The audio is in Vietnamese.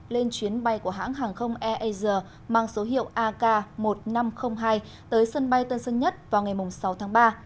lên chuyến bay của hãng hàng không airasia mang số hiệu ak một nghìn năm trăm linh hai tới sân bay tân sơn nhất vào ngày sáu tháng ba